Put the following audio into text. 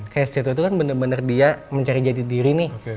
kayak streetwear itu kan bener bener dia mencari jadi diri nih